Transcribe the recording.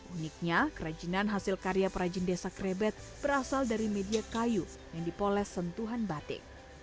uniknya kerajinan hasil karya perajin desa krebet berasal dari media kayu yang dipoles sentuhan batik